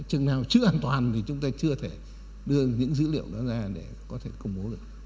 chừng nào chưa an toàn vì chúng ta chưa thể đưa những dữ liệu đó ra để có thể công bố được